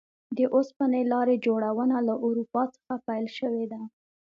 د اوسپنې لارې جوړونه له اروپا څخه پیل شوې ده.